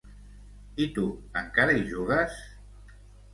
I tu, encara hi jugues?